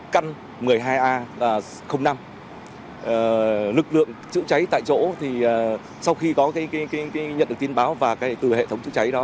căn một mươi hai a là năm lực lượng chữa cháy tại chỗ thì sau khi có nhận được tin báo và từ hệ thống chữa cháy đó